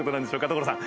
所さん！